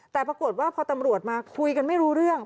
แต่ปรากฏว่าพอตำรวจมาคุยกันไม่รู้เรื่อง